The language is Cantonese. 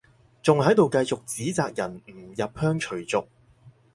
仲喺度繼續指責人唔入鄉隨俗